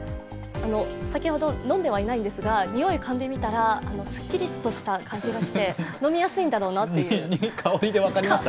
先ほど飲んではいないんですがにおいをかいでみましたらすっきりとした感じがして飲みやすいんだなと思いました。